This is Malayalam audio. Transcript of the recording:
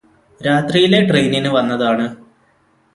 രാത്രിയിലെ ട്രെയിനിന് വന്നതാണ്